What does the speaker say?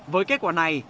với kết quả này